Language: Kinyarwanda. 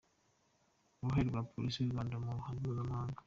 Uruhare rwa Polisi y’u Rwanda mu ruhando mpuzamahanga.